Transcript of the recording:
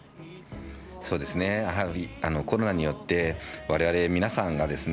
そうですね、コロナによってわれわれ皆さんがですね